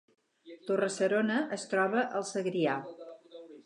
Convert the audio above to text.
Torre-serona es troba al Segrià